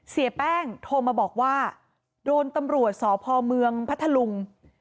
เสียแป้งโทรมาบอกว่าโดนตำรวจสพเมืองพัทธลุง